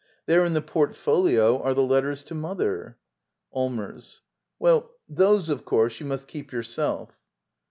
] There in the portfolio are the letters to mother. Allmers. Well, those, of course, you must keep yourself.